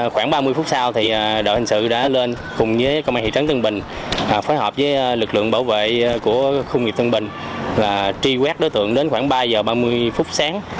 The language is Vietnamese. khoảng ba mươi phút sau thì đội hình sự đã lên cùng với công an thị trấn tân bình phối hợp với lực lượng bảo vệ của khu nghiệp tân bình và tri quét đối tượng đến khoảng ba giờ ba mươi phút sáng